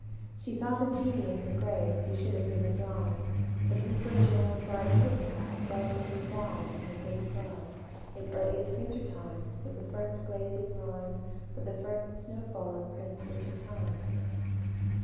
She thought of Jeanie in her grave, Who should have been a bride; But who for joys brides hope to have Fell sick and died In her gay prime, In earliest winter time With the first glazing rime, With the first snow fall of crisp winter time.